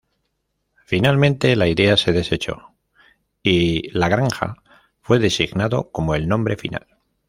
Finalmente, la idea se desechó y "La Granja" fue designado como el nombre final.